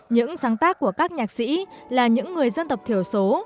những sáng tác của các nhạc sĩ là những người dân tộc thiểu số